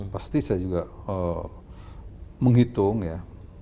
pasti saya juga menghitung ya